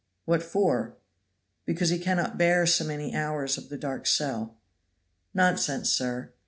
"What for?" "Because he cannot bear so many hours of the dark cell." "Nonsense, sir."